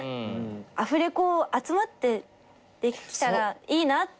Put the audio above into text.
アフレコ集まってできたらいいなって。